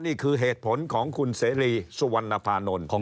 นี่คือเหตุผลของคุณเซรีสูวาณมาฟานนล